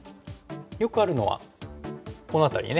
よくあるのはこの辺りに。